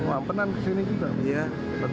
atau warga yang di pinggir pantai itu pak